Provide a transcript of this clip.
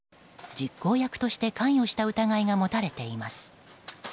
実行役として関与した疑いが持たれています。